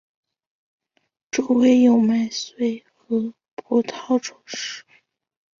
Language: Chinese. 周围有麦穗和葡萄装饰。